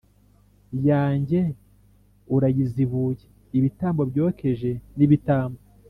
yanjye urayazibuye Ibitambo byokeje n ibitambo